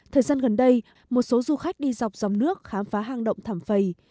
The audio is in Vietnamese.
thời gian gần đây một số du khách đi dọc dòng nước khám phá hang động thảm phầy